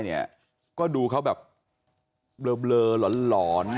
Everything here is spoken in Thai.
เนี่ยก็ดูเขาแบบเบลอหลอน